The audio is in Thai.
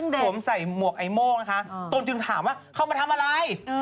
สวมใส่หมวกไอโม่งนะคะตนจึงถามว่าเข้ามาทำอะไร